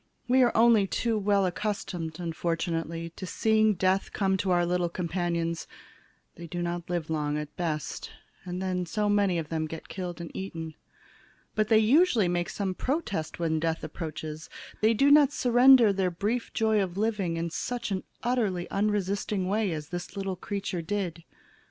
We are only too well accustomed, unfortunately, to seeing death come to our little companions; they do not live long, at best, and then so many of them get killed and eaten. But they usually make some protest when Death approaches. They do not surrender their brief joy of living in such utterly unresisting way as this little creature did.